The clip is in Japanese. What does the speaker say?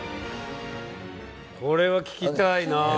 これは聞きたいな。